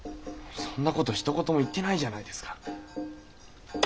そんな事ひと言も言ってないじゃないですか。